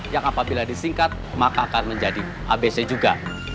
yang apabila disingkat maka akan menjadi abc juga